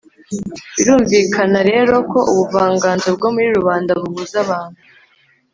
birumvikana rero ko ubuvanganzo bwo muri rubanda buhuza abantu